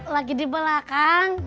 lagi di belakang